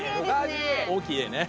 大きいＡね。